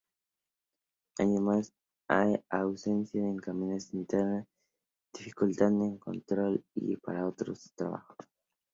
Además hay ausencia de caminos internos dificultando el control, y para otros trabajos.